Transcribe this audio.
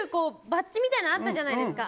バッジみたいなのがあったじゃないですか。